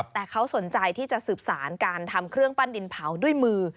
แต่เขาสนใจที่จะสืบสารการทำเครื่องปั้นดินเผาด้วยมือ